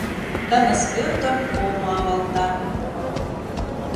Тыныс пӧртым омо авалта…